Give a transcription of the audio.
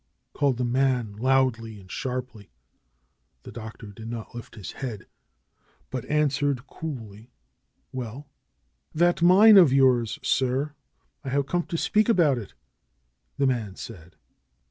called the man loudly and sharply. The Doctor did not lift his head, but answered cool ly, ^^Well?" "That mine of yours, sir; I have come to speak about it," the man said.